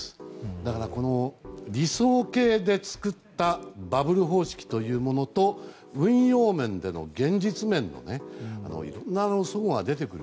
だから、理想形で作ったバブル方式というものと運用面での現実面で齟齬が出てくる。